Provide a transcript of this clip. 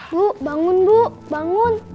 bu bangun bu bangun